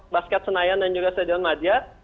basket senayan dan juga stadion madia